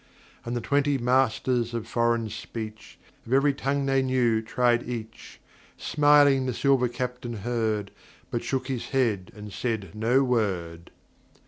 And the twenty masters of foreign speech Of every tongue they knew tried each; Smiling, the silver Captain heard, But shook his head and said no word.